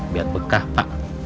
biar bekah pak